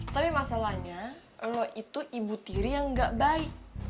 tapi masalahnya lo itu ibu tiri yang nggak baik